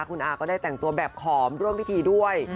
คุณอาก็ได้แต่งตัวแบบขอมร่วมพิธีด้วย